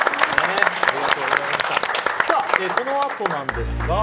このあとなんですが？